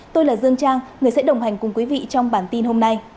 tôi là dương trang người sẽ đồng hành cùng quý vị trong bản tin hôm nay